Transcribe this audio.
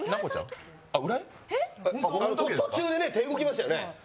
途中で、手、動きましたよね。